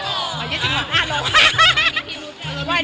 อ๋อ๒๖ภูมิภาพันธ์